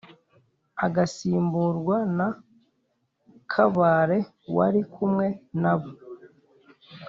agasimburwa na Kabare wari kumwe nabo